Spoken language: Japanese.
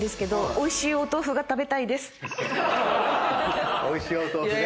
おいしいお豆腐ね。